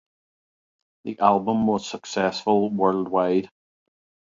The album was successful worldwide.